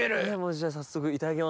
じゃあ早速いただきます！